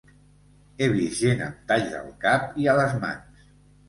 He vist gent amb talls al cap i a les mans.